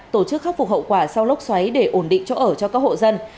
tổ chức khắc phục hậu quả sau lốc xoáy để ổn định chỗ ở cho các hộ dân